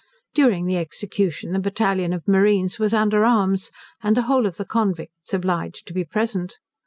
During the execution the battalion of marines was under arms, and the whole of the convicts obliged to be present.